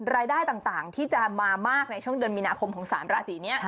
รายได้ต่างที่จะมามากในช่วงเดือนมีนาคมของ๓ราศีนี้